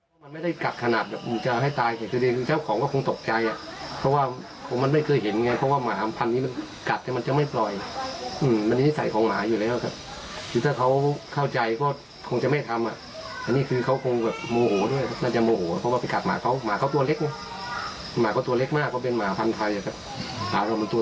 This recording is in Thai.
ถ้าเราเป็นตัวหมาก็คงสู้ไม่ได้ผมก็เข้าใจนะครับ